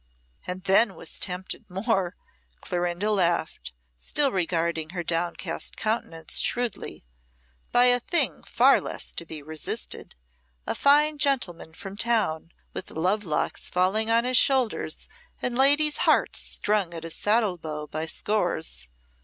"And then was tempted more," Clorinda laughed, still regarding her downcast countenance shrewdly, "by a thing far less to be resisted a fine gentleman from town, with love locks falling on his shoulders and ladies' hearts strung at his saddle bow by scores.